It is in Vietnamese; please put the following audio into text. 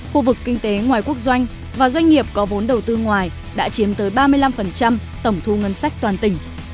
khu vực kinh tế ngoài quốc doanh và doanh nghiệp có vốn đầu tư ngoài đã chiếm tới ba mươi năm tổng thu ngân sách toàn tỉnh